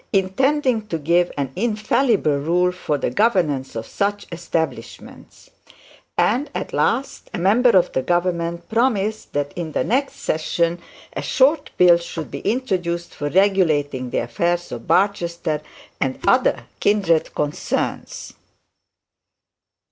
intending to give an infallible rule for the governance of such establishments; and, at last, a member of the government promised that in the next session a short bill should be introduced for regulating the affairs of Barchester, and other kindred concerns.